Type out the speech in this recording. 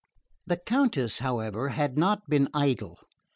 The Countess, however, had not been idle.